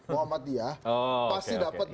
muhammadiyah pasti dapat